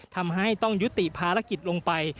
ทำให้ต้องยุติภารกิจลงไป